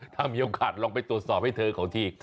ถ้ามีโอกาสลองไปตรวจสอบให้เธอเขาที